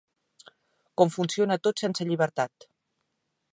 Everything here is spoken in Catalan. Com funciona tot sense llibertat.